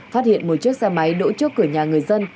phát hiện một chiếc xe máy đổ trước cửa nhà người dân